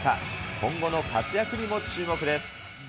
今後の活躍にも注目です。